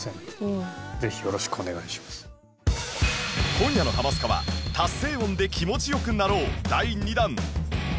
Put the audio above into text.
今夜の『ハマスカ』は達成音で気持ちよくなろう第２弾